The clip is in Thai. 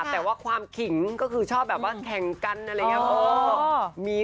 แต่ว่าความขิงก็คือชอบแบบว่าแข่งกันอะไรอย่างนี้